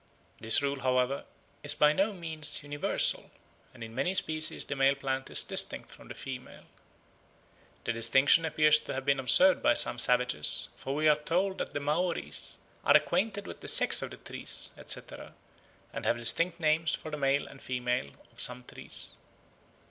This rule, however, is by no means universal, and in many species the male plant is distinct from the female. The distinction appears to have been observed by some savages, for we are told that the Maoris "are acquainted with the sex of trees, etc., and have distinct names for the male and female of some trees."